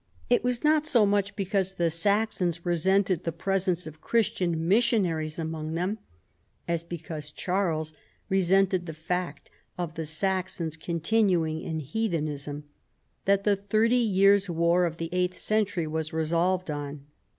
It was not so much be cause the Saxons resented the presence of Christian missionaries among them, as because Charles re sented the fact of the Saxons continuing in heathen ism, that the Thirty Years' War of the eighth cen tury was resolved on.